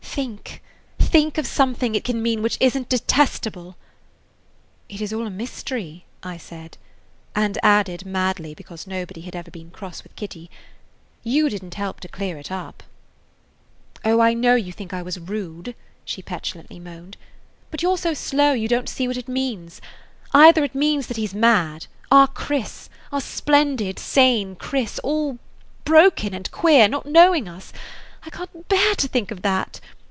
"Think, think, of something it can mean which isn't detestable!" "It is all a mystery," I said; and added madly, because nobody had ever been cross with Kitty, "You didn't help to clear it up." "Oh, I know you think I was rude," she petulantly moaned; "but you 're so [Page 32] slow you don't see what it means. Either it means that he 's mad, our Chris, our splendid, sane Chris, all broken and queer, not knowing us–I can't bear to think of that.